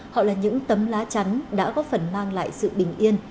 họ là những tấm lá chắn đã góp phần mang lại sự bình yên